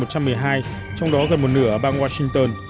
trong đó gần một nửa ở bang washington